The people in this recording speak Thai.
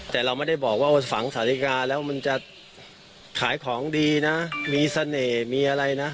แต่เราไม่ได้บอกว่ามันฝังสาธิกาแล้วมันจะขายของดีนะมีเสน่ห์มีอะไรนะ